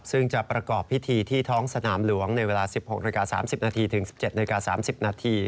ซึ่งจะประกอบพิธีที่ท้องสนามหลวงในเวลา๑๖๓๐นถึง๑๗๓๐น